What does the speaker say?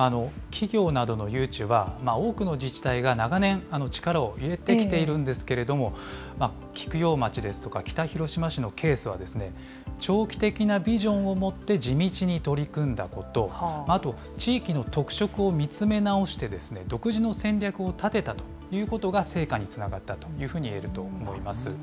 企業などの誘致は、多くの自治体が長年、力を入れてきているんですけれども、菊陽町ですとか、北広島市のケースは、長期的なビジョンを持って地道に取り組んだこと、あと地域の特色を見つめ直して、独自の戦略を立てたということが、成果につながったというふうに言えると思います。